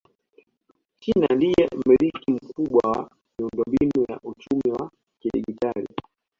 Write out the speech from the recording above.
China ndiye mmiliki mkubwa wa miundombinu ya uchumi wa kidigitali